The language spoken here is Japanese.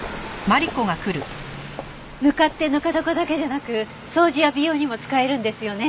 ぬかってぬか床だけじゃなく掃除や美容にも使えるんですよね。